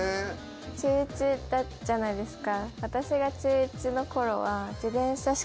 中１じゃないですか。